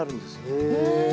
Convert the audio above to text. へえ。